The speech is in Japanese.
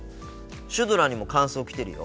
シュドラにも感想来てるよ。